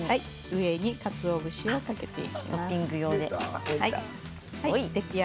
上にかつお節をかけていきます。